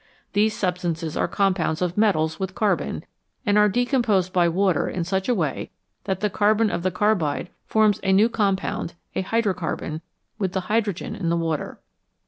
These substances are compounds of metals with carbon, and are decomposed by water in such a way that the carbon of the carbide forms a new com pound a hydrocarbon with the hydrogen in the water.